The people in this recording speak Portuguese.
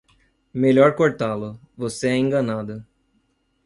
Melhor cortá-lo, você é enganado!